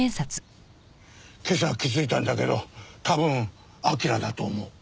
今朝気づいたんだけど多分彬だと思う。